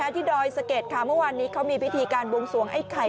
ที่ดอยสเกตเมื่อวานมีพิธีการบวงสวงไอไข่